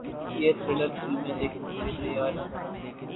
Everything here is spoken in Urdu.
یہ تھرلر فلمیں دیکھنے کے لیے تیار ہیں